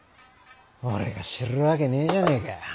俺が知るわけねえじゃねえか。